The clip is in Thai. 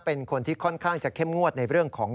เป็นคนที่ค่อนข้างจะเข้มงวดในเรื่องของ